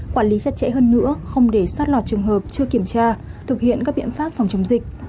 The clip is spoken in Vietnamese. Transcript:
quản lý chặt chẽ hơn nữa không để sót lọt trường hợp chưa kiểm tra thực hiện các biện pháp phòng chống dịch